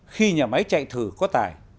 khi nhà máy chạy thử có tài